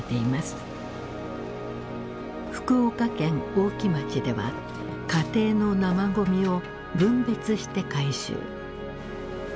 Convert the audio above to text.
福岡県大木町では家庭の生ゴミを分別して回収。